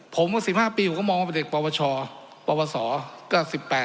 ผมก็๑๕ปีมองเป็นเด็กปวชปวสก็๑๘